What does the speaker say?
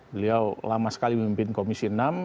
beliau lama sekali memimpin komisi enam